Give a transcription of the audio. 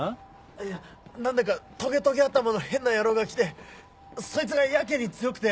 いや何だかトゲトゲ頭の変な野郎が来てそいつがやけに強くて。